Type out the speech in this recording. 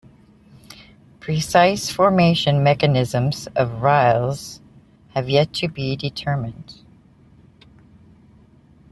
Precise formation mechanisms of rilles have yet to be determined.